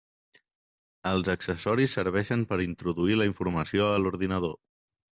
Els accessoris serveixen per introduir la informació a l'ordinador.